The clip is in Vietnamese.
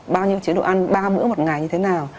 bao nhiêu chế độ ăn ba bữa một ngày như thế nào